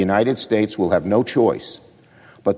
maka amerika serikat tidak akan memiliki pilihan